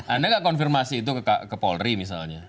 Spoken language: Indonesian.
anda nggak konfirmasi itu ke polri misalnya